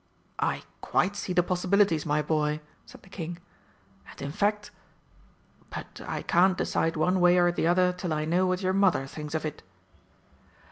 "I quite see the possibilities, my boy!" said the King; "and in fact but I can't decide one way or the other till I know what your Mother thinks of it."